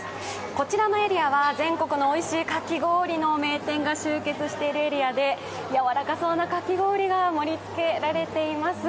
こちらのエリアは全国のおいしいかき氷の名店が集結しているエリアでやわらかそうなかき氷が盛りつけられています。